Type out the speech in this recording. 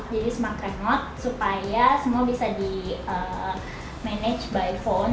jadi smart remote supaya semua bisa di manage by phone